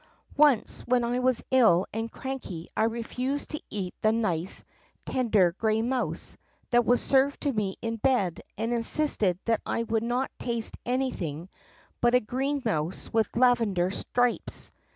Once when I was ill and cranky I refused to eat the nice, tender gray mouse that was served me in bed and insisted that I would not taste anything but a green mouse with laven der stripes.